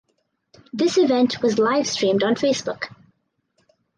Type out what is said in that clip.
This event was livestreamed on Facebook.